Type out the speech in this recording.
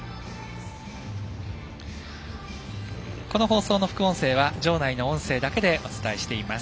この放送の副音声は場内の音声だけでお伝えしています。